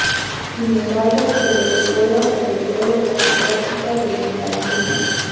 Sin embargo, se le recuerda sobre todo por su práctica del montañismo.